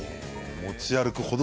持ち歩くと。